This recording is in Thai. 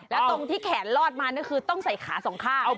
แล้วตรงที่แขนลอดมาก็คือต้องใส่ขาสองข้าง